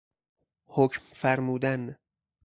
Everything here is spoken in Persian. حکم فرمودن